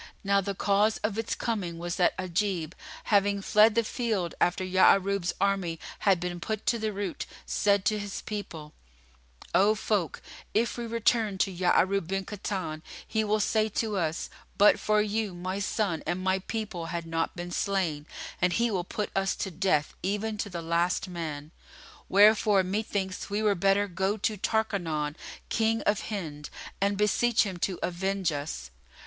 Now the cause of its coming was that Ajib, having fled the field after Ya'arub's army had been put to the rout, said to his people, "O folk, if we return to Ya'arub bin Kahtan, he will say to us, 'But for you, my son and my people had not been slain; and he will put us to death, even to the last man.' Wherefore, methinks we were better go to Tarkanán, King of Hind, and beseech him to avenge us."